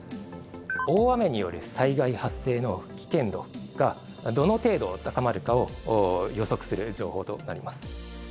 大雨による災害発生の危険度がどの程度高まるかを予測する情報となります。